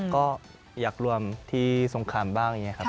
ก็อยากรวมที่สงครามบ้างอย่างนี้ครับ